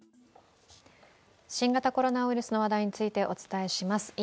新型コロナウイルスの話題についてお伝えします。